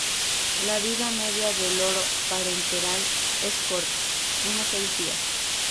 La vida media del oro parenteral es corta, unos seis días.